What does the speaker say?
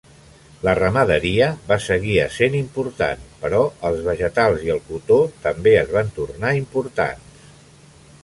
La ramaderia va seguir essent important, però els vegetals i el cotó també es van tornar importants.